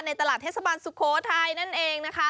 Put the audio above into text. ในตลาดเทศบันสุโครไทยนั่นเองนะคะ